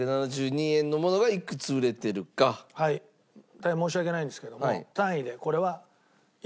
大変申し訳ないんですけども単位でこれは。